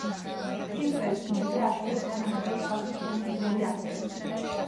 სინკლერი ცნობილია, ასევე, თანამედროვე ქალთა შრომის ძლიერი აღწერით.